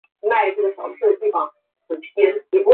总参谋部发出新的坦克规格来包括此系列坦克。